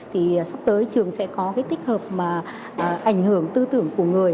thì sắp tới trường sẽ có cái tích hợp mà ảnh hưởng tư tưởng của người